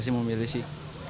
pasti mau milih sih